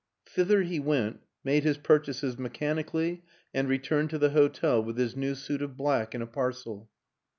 Thither he went, made his purchases mechanically and returned to the hotel with his new suit of black in a parcel.